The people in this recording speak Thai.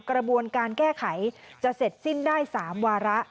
กระบวนการแก้ไขจะเสร็จสิ้นได้๓วาระ